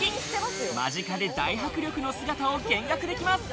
間近で大迫力の姿を見学できます。